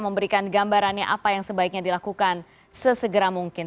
memberikan gambarannya apa yang sebaiknya dilakukan sesegera mungkin